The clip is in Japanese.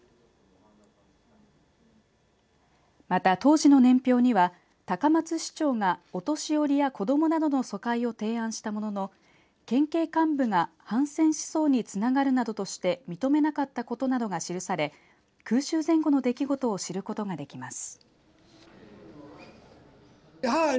また当時の年表には高松市長がお年寄りや子どもなどの疎開を提案したものの県警幹部が反戦思想につながるなどとして認めなかったことなどが記され空襲前後の出来事を知ることができます。